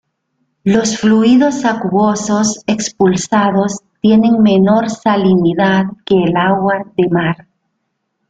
Los fluidos acuosos expulsados tienen menor salinidad que el agua de mar.